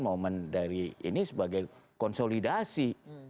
momen dari ini sebagai konsolidasi